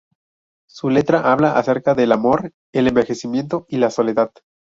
Su letra habla acerca del amor, el envejecimiento y la soledad.